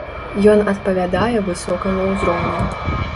Ён адпавядае высокаму ўзроўню.